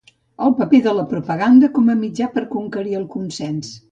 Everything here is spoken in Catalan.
El paper de la propaganda com a mitjà per conquerir el consens.